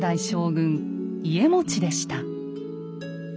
家茂でした。